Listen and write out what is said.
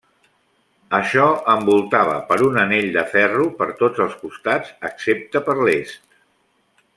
Això envoltava per un anell de ferro per tots els costats excepte per l'Est.